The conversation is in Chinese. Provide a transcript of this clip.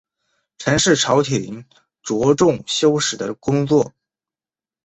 陈氏朝廷着重修史的工作。